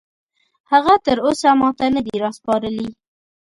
هغه تراوسه ماته نه دي راسپارلي